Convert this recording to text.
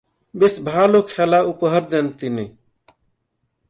বেশ ভালো খেলা উপহার দেন তিনি।